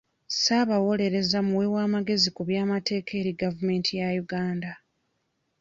Ssaabawolereza muwi w'amagezi ku by'amateeka eri gavumenti ya Uganda.